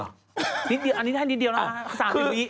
อันนี้ให้นิดเดียวนะคะ๓นิวิ